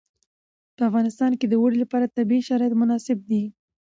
په افغانستان کې د اوړي لپاره طبیعي شرایط مناسب دي.